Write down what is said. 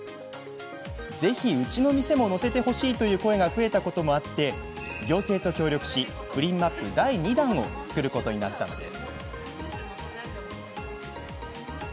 ぜひ、うちの店も載せてほしいという声が増えたこともあって行政と協力しプリンマップ第２弾を作ることになったのです。